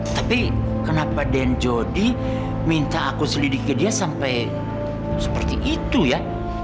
tapi kenapa den jody minta aku selidiki dia sampai seperti itu ya